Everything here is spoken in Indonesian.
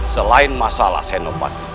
selain masalah senopat